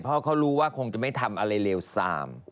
เพราะเขารู้ว่าคงจะไม่ทำอะไรเลวซาม